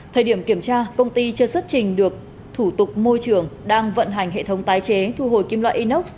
thời điểm kiểm tra công ty chưa xuất trình được thủ tục môi trường đang vận hành hệ thống tái chế thu hồi kim loại inox